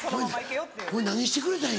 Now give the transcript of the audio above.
お前何してくれたん？